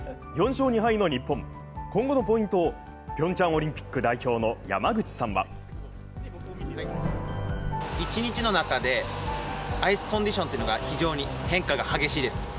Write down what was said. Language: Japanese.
４勝２敗の日本、今後のポイントをピョンチャンオリンピック代表の山口さんは一日の中でアイスコンディションというのが非常に変化が激しいです。